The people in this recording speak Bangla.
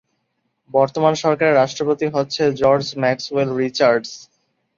বর্তমান সরকারের রাষ্ট্রপতি হচ্ছে জর্জ ম্যাক্সওয়েল রিচার্ডস।